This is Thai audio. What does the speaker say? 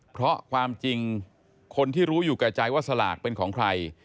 เพราะความจริงคนที่รู้อยู่แก่ใจว่าสลากเป็นของใคร